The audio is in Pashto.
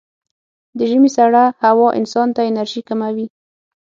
د ژمي سړه هوا انسان ته انرژي کموي.